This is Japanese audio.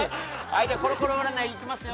ではコロコロ占いいきますよ